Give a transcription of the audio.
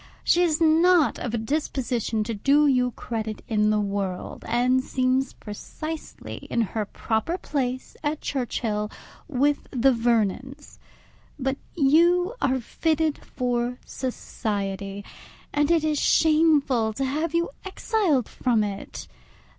She is not of a disposition to do you credit in the world, and seems precisely in her proper place at Churchhill, with the Vernons. But you are fitted for society, and it is shameful to have you exiled from it.